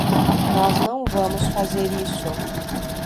Nós não vamos fazer isso.